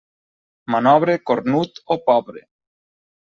Manobre, cornut o pobre.